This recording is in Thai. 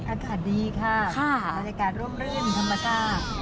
อรัฐฮาลดีค่ะอร่อยการร่วมเรื่องธรรมดา